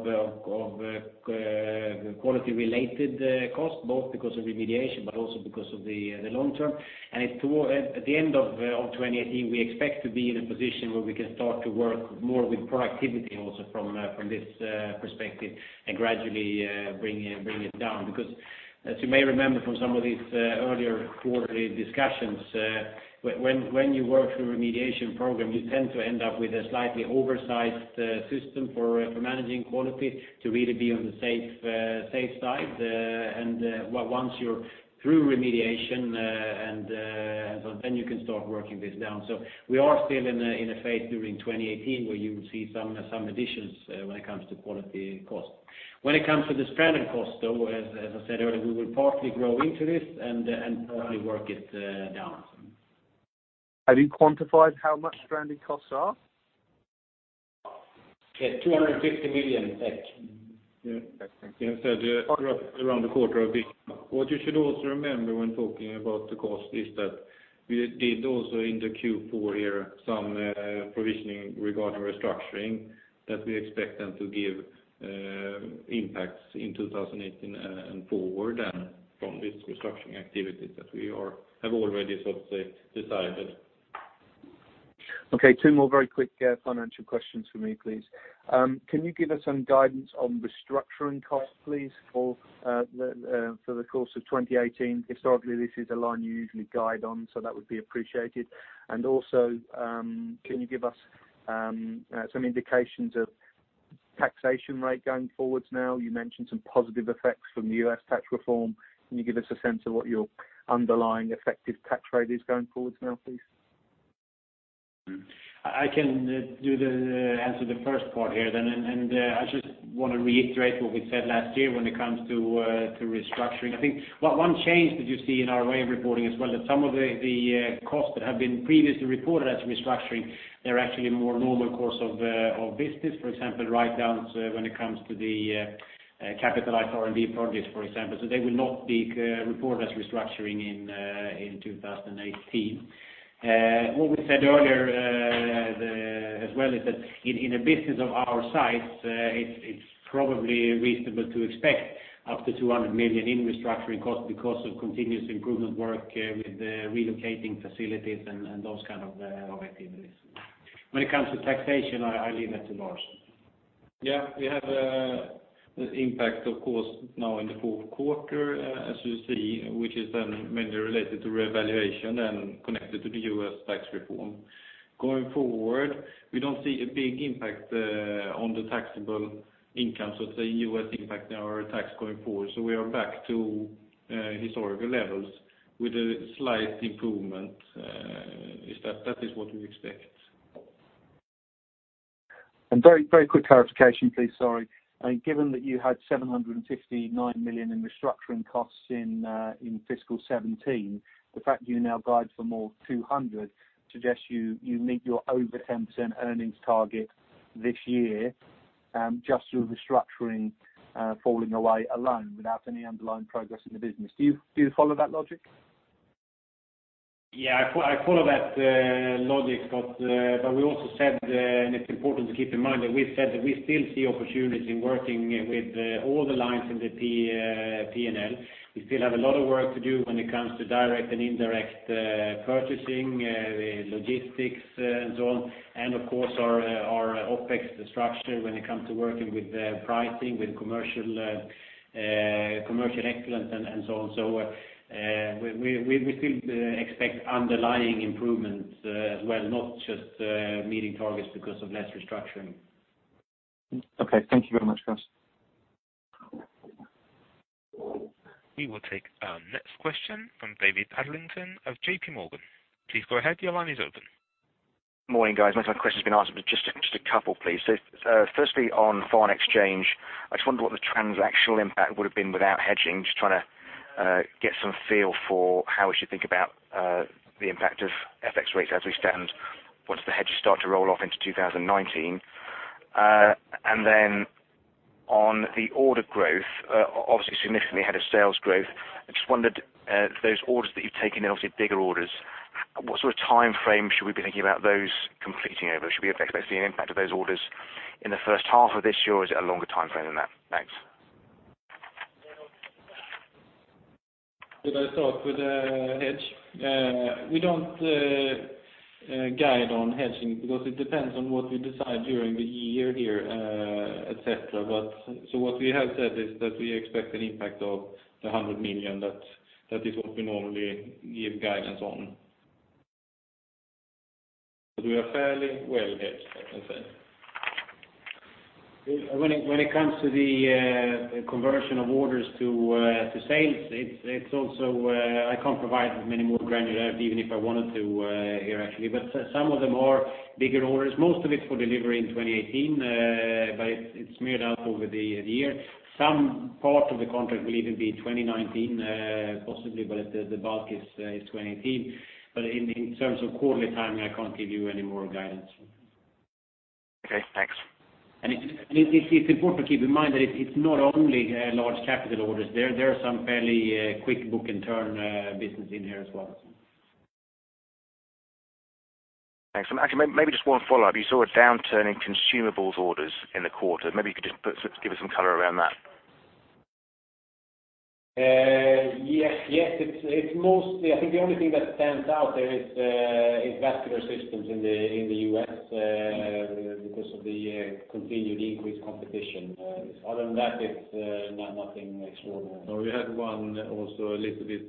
quality-related costs, both because of remediation but also because of the long term. At the end of 2018, we expect to be in a position where we can start to work more with productivity also from this perspective and gradually bring it down. Because as you may remember from some of these earlier quarterly discussions, when you work through a remediation program, you tend to end up with a slightly oversized system for managing quality, to really be on the safe side. And well, once you're through remediation, so then you can start working this down. So we are still in a phase during 2018, where you will see some additions when it comes to quality cost. When it comes to the stranded costs, though, as I said earlier, we will partly grow into this and partly work it down. Have you quantified how much stranded costs are? Yeah, SEK 250 million. Yeah. We have said around SEK 250 million. What you should also remember when talking about the cost is that we did also in the Q4 here, some provisioning regarding restructuring, that we expect them to give impacts in 2018 and forward, and from this restructuring activities that we have already sort of decided. Okay, two more very quick financial questions for me, please. Can you give us some guidance on restructuring costs, please, for the course of 2018? Historically, this is a line you usually guide on, so that would be appreciated. And also, can you give us some indications of taxation rate going forwards now? You mentioned some positive effects from theUS tax reform. Can you give us a sense of what your underlying effective tax rate is going forwards now, please? I can answer the first part here, then. I just want to reiterate what we said last year when it comes to restructuring. I think one change that you see in our way of reporting as well, that some of the costs that have been previously reported as restructuring, they're actually more normal course of business. For example, write-downs when it comes to the capitalized R&D projects, for example. So they will not be reported as restructuring in 2018. What we said earlier, as well, is that in a business of our size, it's probably reasonable to expect up to 200 million in restructuring costs because of continuous improvement work, with the relocating facilities and those kind of activities. When it comes to taxation, I leave that to Lars. Yeah, we have the impact, of course, now in the Q4, as you see, which is then mainly related to revaluation and connected to the US tax reform. Going forward, we don't see a big impact on the taxable income. So the US impact in our tax going forward, so we are back to historical levels with a slight improvement, is that that is what we expect. Very, very quick clarification, please. Sorry. Given that you had 759 million in restructuring costs in fiscal 2017, the fact you now guide for more 200 million suggests you, you meet your over 10% earnings target this year, just through restructuring falling away alone without any underlying progress in the business. Do you, do you follow that logic? Yeah, I follow that logic, but we also said, and it's important to keep in mind, that we've said that we still see opportunity in working with all the lines in the P&L. We still have a lot of work to do when it comes to direct and indirect purchasing, logistics, and so on. And of course, our OpEx structure when it comes to working with pricing, with commercial excellence and so on. So, we still expect underlying improvement as well, not just meeting targets because of less restructuring. Okay. Thank you very much, guys. We will take our next question from David Adlington of JP Morgan. Please go ahead. Your line is open. Morning, guys. Most of my questions have been answered, but just, just a couple, please. So, firstly, on foreign exchange, I just wondered what the transactional impact would have been without hedging. Just trying to get some feel for how we should think about the impact of FX rates as we stand once the hedges start to roll off into 2019. And then on the order growth, obviously, significantly ahead of sales growth, I just wondered, those orders that you've taken, obviously, bigger orders, what sort of time frame should we be thinking about those completing over? Should we expect to see an impact of those orders in the H1 of this year, or is it a longer timeframe than that? Thanks. Did I start with hedge? We don't guide on hedging because it depends on what we decide during the year here, et cetera. But so what we have said is that we expect an impact of 100 million, that is what we normally give guidance on. But we are fairly well hedged, I can say. When it comes to the conversion of orders to sales, it's also, I can't provide many more granular, even if I wanted to, here, actually. But some of them are bigger orders. Most of it's for delivery in 2018, but it's smeared out over the year. Some part of the contract will even be 2019, possibly, but the bulk is 2018. But in terms of quarterly timing, I can't give you any more guidance. Okay, thanks. And it's important to keep in mind that it's not only large capital orders. There are some fairly quick book and turn business in here as well. Thanks. Actually, maybe just one follow-up. You saw a downturn in consumables orders in the quarter. Maybe you could just put, give us some color around that. Yes. Yes, it's mostly. I think the only thing that stands out there is vascular systems in the US, because of the continued increased competition. Other than that, it's nothing extraordinary. No, we had one also a little bit,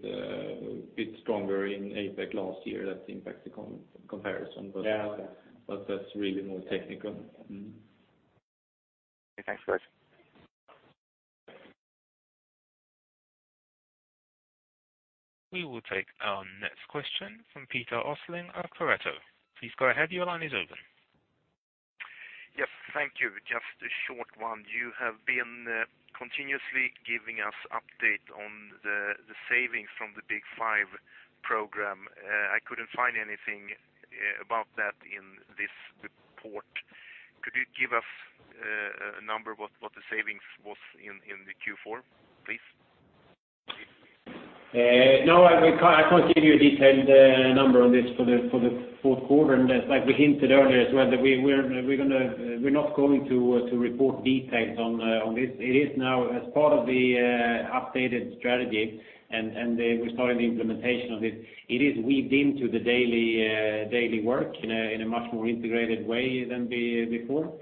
bit stronger in APAC last year. That impacts the comparison. Yeah. But that's really more technical. Thanks, guys. We will take our next question from Peter Östling of Pareto. Please go ahead. Your line is open. Yes, thank you. Just a short one. You have been continuously giving us update on the savings from the Big 5 program. I couldn't find anything about that in this report. Could you give us a number, what the savings was in the Q4, please? No, we can't, I can't give you a detailed number on this for the Q4. And as like we hinted earlier as well, that we're not going to report details on this. It is now as part of the updated strategy, and the, we started the implementation of this. It is weaved into the daily work in a much more integrated way than before.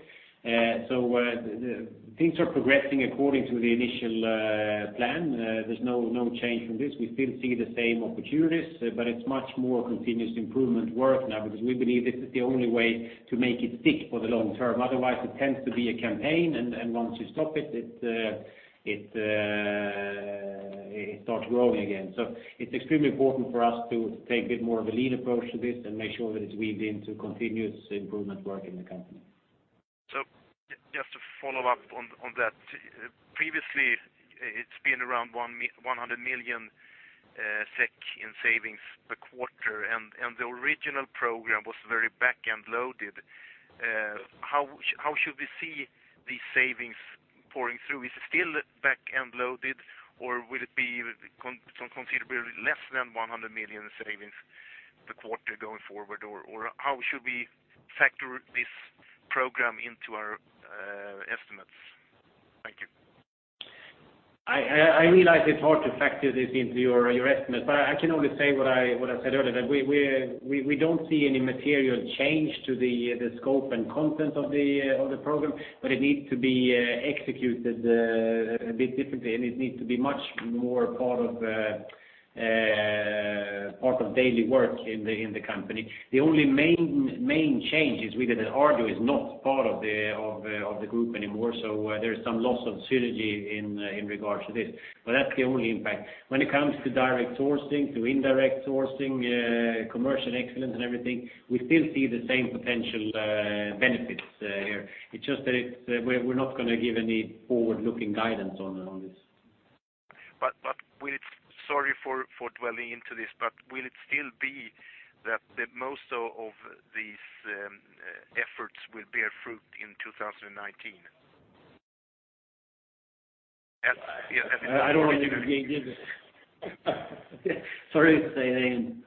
So, things are progressing according to the initial plan. There's no change from this. We still see the same opportunities, but it's much more continuous improvement work now, because we believe this is the only way to make it stick for the long term. Otherwise, it tends to be a campaign, and once you stop it, it starts growing again. So it's extremely important for us to take a bit more of a lean approach to this and make sure that it's weaved into continuous improvement work in the company. So just to follow up on that. Previously, it's been around 100 million SEK in savings per quarter, and the original program was very back-end loaded. How should we see these savings pouring through? Is it still back-end loaded, or will it be considerably less than 100 million savings the quarter going forward? Or how should we factor this program into our estimates? I realize it's hard to factor this into your estimate, but I can only say what I said earlier, that we don't see any material change to the scope and content of the program, but it needs to be executed a bit differently, and it needs to be much more part of the part of daily work in the company. The only main change is really that Arjo is not part of the group anymore, so there is some loss of synergy in regards to this. But that's the only impact. When it comes to direct sourcing, to indirect sourcing, commercial excellence and everything, we still see the same potential benefits here. It's just that it's. We're not going to give any forward-looking guidance on this. But will it, sorry for dwelling into this, but will it still be that the most of these efforts will bear fruit in 2019? I don't know if you can give. Sorry, saying.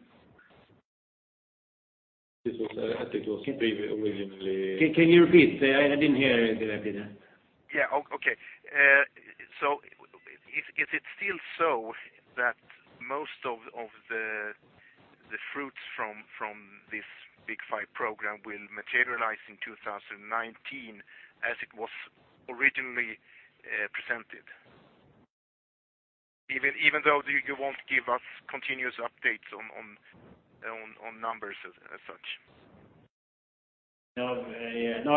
This was, I think it was originally. Can you repeat? I didn't hear it directly. Yeah. Okay. So is it still so that most of the fruits from this Big Five program will materialize in 2019, as it was originally presented? Even though you won't give us continuous updates on numbers as such. No, no,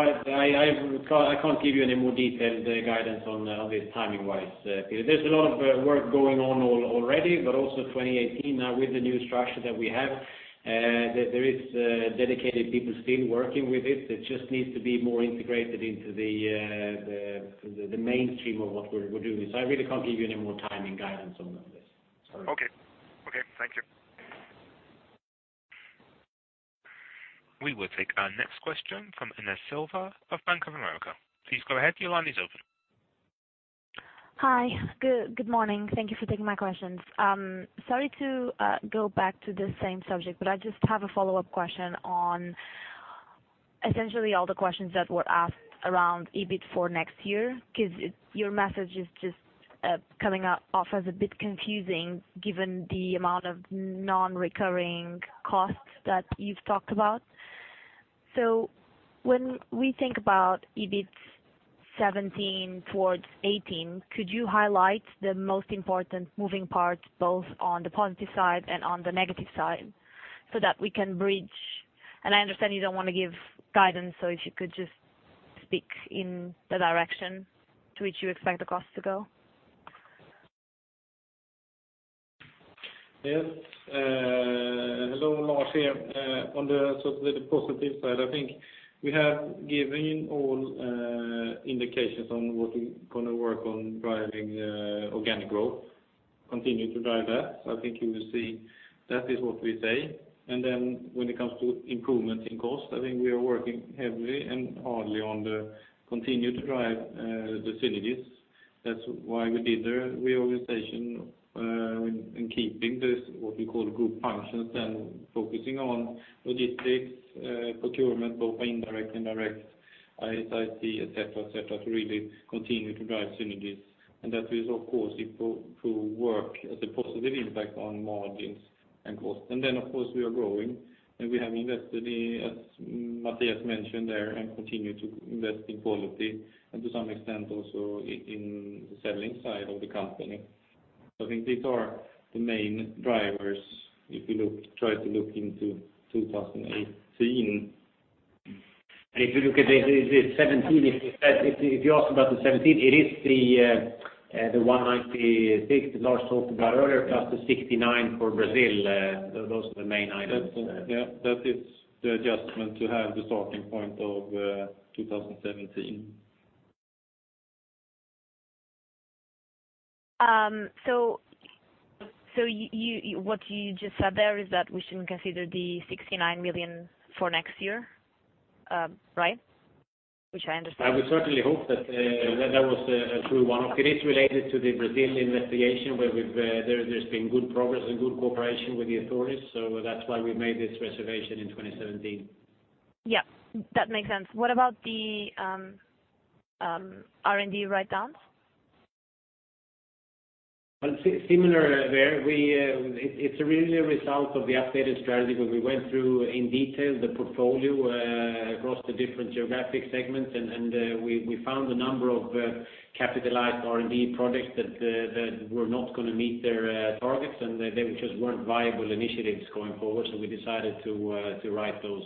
I can't give you any more detailed guidance on this timing-wise, Peter. There's a lot of work going on already, but also 2018 now with the new structure that we have, there is dedicated people still working with it. It just needs to be more integrated into the mainstream of what we're doing. So I really can't give you any more timing guidance on this. Sorry. Okay. Okay. Thank you. We will take our next question from Inês Silva of Bank of America. Please go ahead, your line is open. Hi, good morning. Thank you for taking my questions. Sorry to go back to the same subject, but I just have a follow-up question on essentially all the questions that were asked around EBIT for next year, 'cause it, your message is just coming off as a bit confusing given the amount of non-recurring costs that you've talked about. So when we think about EBIT 2017 towards 2018, could you highlight the most important moving parts, both on the positive side and on the negative side, so that we can bridge? And I understand you don't want to give guidance, so if you could just speak in the direction to which you expect the costs to go. Yes, hello, Lars here. On the positive side, I think we have given all indications on what we going to work on driving organic growth, continue to drive that. So I think you will see that is what we say. And then when it comes to improvements in cost, I think we are working heavily and hardly on the continue to drive the synergies. That's why we did the reorganization in keeping this, what we call group functions, and focusing on logistics, procurement, both indirect and direct, ISIT, et cetera, et cetera, to really continue to drive synergies. And that is, of course, it will prove work as a positive impact on margins and costs. And then, of course, we are growing, and we have invested in, as Mattias mentioned there, and continue to invest in quality, and to some extent also in the selling side of the company. I think these are the main drivers if you look, try to look into 2018. If you look at the 2017, if you ask about the 2017, it is the 196 that Lars talked about earlier, plus the 69 for Brazil, those are the main items. Yeah, that is the adjustment to have the starting point of 2017. So, what you just said there is that we shouldn't consider the 69 million for next year, right? Which I understand. I would certainly hope that that was a true one-off. It is related to the Brazilian investigation, where there's been good progress and good cooperation with the authorities, so that's why we made this reservation in 2017. Yeah, that makes sense. What about the R&D write-downs? Well, similar there, we, it's really a result of the updated strategy, where we went through in detail the portfolio across the different geographic segments, and we found a number of capitalized R&D projects that were not going to meet their targets, and they just weren't viable initiatives going forward, so we decided to write those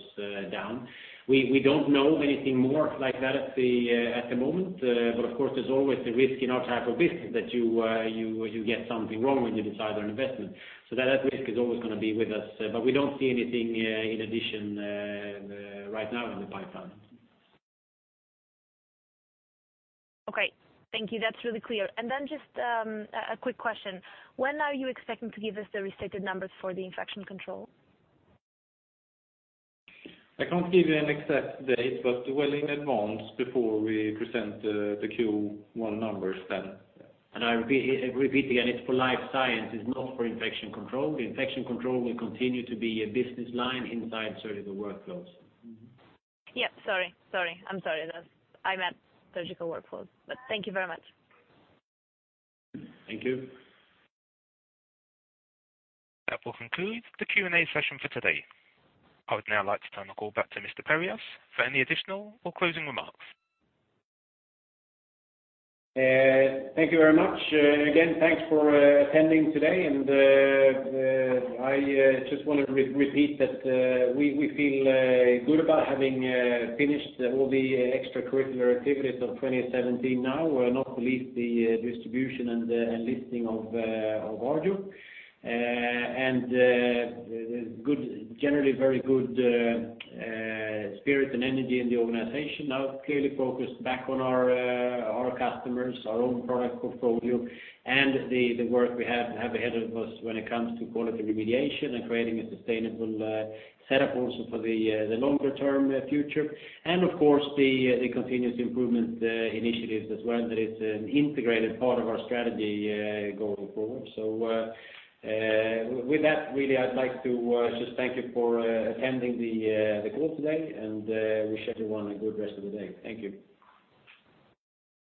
down. We don't know anything more like that at the moment, but of course, there's always a risk in our type of business that you get something wrong when you decide on investment. So that risk is always going to be with us, but we don't see anything in addition right now in the pipeline. Okay. Thank you. That's really clear. And then just a quick question. When are you expecting to give us the restated numbers for the Infection Control? I can't give you an exact date, but well in advance before we present the Q1 numbers then. I repeat, repeat again, it's for Life Science, it's not for Infection Control. The Infection Control will continue to be a business line inside Surgical Workflows. Yeah, sorry, sorry. I'm sorry, that's, I meant Surgical Workflows, but thank you very much. Thank you. That will conclude the Q&A session for today. I would now like to turn the call back to Mr. Perjos for any additional or closing remarks. Thank you very much. Again, thanks for attending today, and I just want to repeat that, we feel good about having finished all the extracurricular activities of 2017 now, not least the distribution and listing of Arjo. And generally very good spirit and energy in the organization, now clearly focused back on our customers, our own product portfolio, and the work we have ahead of us when it comes to quality remediation and creating a sustainable setup also for the longer term future. And of course, the continuous improvement initiatives as well, that is an integrated part of our strategy going forward. With that, really, I'd like to just thank you for attending the call today, and wish everyone a good rest of the day. Thank you.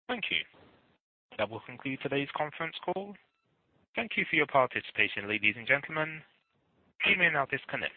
Thank you. That will conclude today's conference call. Thank you for your participation, ladies and gentlemen. You may now disconnect.